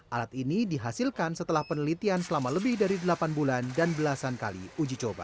alat ini dihasilkan setelah penelitian selama lebih dari delapan bulan dan belasan kali uji coba